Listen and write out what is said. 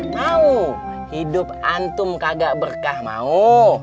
tahu hidup antum kagak berkah mau